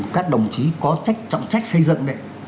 các đồng chí có trọng trách xây dựng đấy